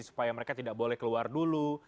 supaya mereka tidak boleh keluar dulu